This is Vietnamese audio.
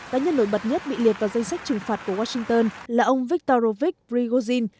các nhân nổi bật nhất bị liệt vào danh sách trừng phạt của washington là ông viktorovic prigozhin